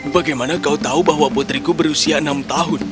bagaimana kau tahu bahwa putriku berusia enam tahun